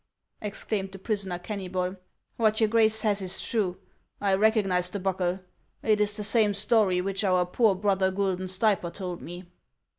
" exclaimed the prisoner Kennybol, " what your grace says is true ; I recognize the buckle. It is the same story which our poor brother Guidon Stay per told me."